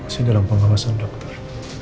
masih dalam pengawasan dokter